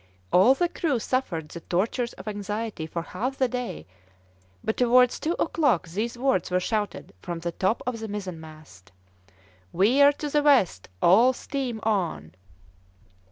All the crew suffered the tortures of anxiety for half the day, but towards two o'clock these words were shouted from the top of the mizenmast: "Veer to the west, all steam on."